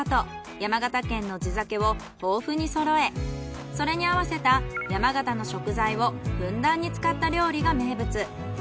山形県の地酒を豊富にそろえそれに合わせた山形の食材をふんだんに使った料理が名物。